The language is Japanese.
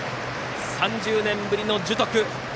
３０年ぶりの樹徳